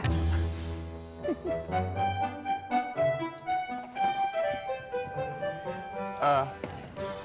hei lu ngeladak gue